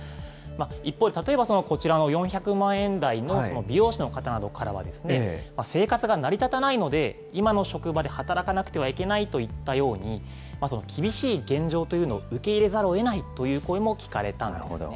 一方で、例えばこちらの４００万円台の美容師の方などからは、生活が成り立たないので、今の職場で働かなくてはいけないといったように、厳しい現状というのを受け入れざるをえないという声も聞かれたんですね。